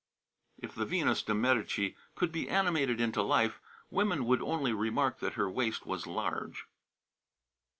'" "If the Venus de Medici could be animated into life, women would only remark that her waist was large."